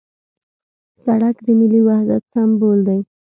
سړک د ملي وحدت سمبول دی.